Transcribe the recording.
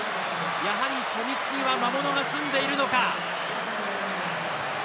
やはり初日には魔物が住んでいるのか。